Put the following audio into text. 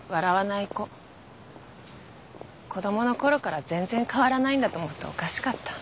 子供のころから全然変わらないんだと思うとおかしかった。